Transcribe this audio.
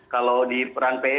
kalau di perang pe